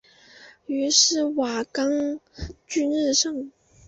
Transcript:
于是瓦岗军日盛。